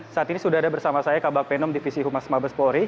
saat ini sudah ada bersama saya kabak penum divisi humas mabes polri